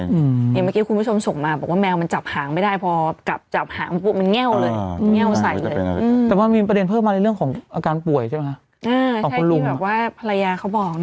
อย่างเมื่อกี้คุณผู้ชมส่งมาบอกว่าแมวมันจับหางไม่ได้พอกลับจับหางมันแง่วเลยแง่วใส่เลยแต่ว่ามีประเด็นเพิ่มมาในเรื่องของอาการป่วยใช่มั้ยฮะเออใช่คือแบบว่าภรรยาเขาบอกน่ะ